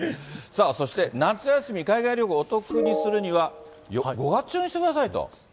さあそして夏休み、海外旅行、お得にするには５月中にしてくださいと。